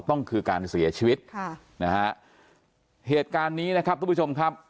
ต้องคือการเสียชีวิตเหตุการณ์นี้ทุกผู้ชมครับ